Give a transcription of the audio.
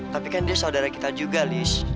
tapi kan dia saudara kita juga lis